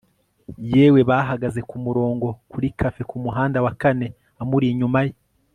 yewe bahagaze kumurongo kuri café kumuhanda wa kane amuri inyuma ye